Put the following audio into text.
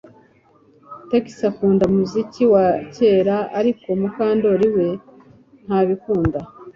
Trix akunda umuziki wa kera ariko Mukandoli we ntabikunda